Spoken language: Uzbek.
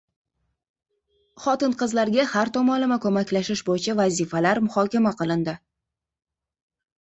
Xotin-qizlarga har tomonlama ko‘maklashish bo‘yicha vazifalar muhokama qilindi